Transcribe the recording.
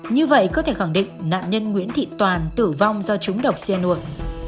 như vậy có thể khẳng định nạn nhân nguyễn thị toàn tử vong do trúng độc cyan